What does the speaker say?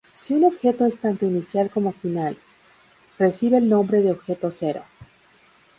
Si un objeto es tanto inicial como final, recibe el nombre de objeto cero.